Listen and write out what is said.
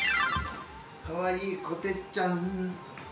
かわいいこてつちゃん。